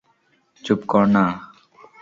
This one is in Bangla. চুপ কর না?